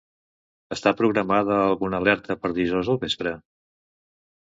Està programada alguna alerta per dijous al vespre?